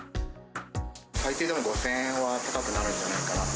最低でも５０００円は高くなるんじゃないかなと。